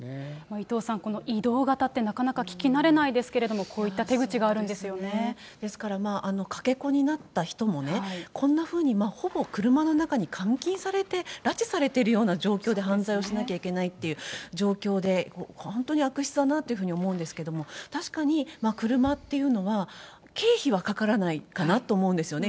伊藤さん、この移動型ってなかなか聞き慣れないですけれども、こういった手ですから、かけ子になった人もこんなふうにほぼ車の中に監禁されて拉致されているような状況で犯罪をしなきゃいけないっていう状況で、本当に悪質だなというふうに思うんですけれども、確かに、車っていうのは経費はかからないかなと思うんですよね。